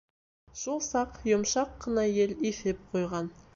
Шул саҡ йомшаҡ ҡына ел иҫеп ҡуйған.